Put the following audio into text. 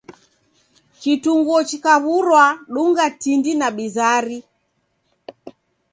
Kitunguo chikaw'urwa dunga tindi na bizari.